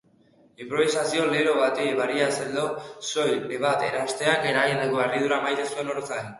Inprobisazio-lelo bati bariazio soil bat eransteak eragindako harridura maite zuen oroz gain.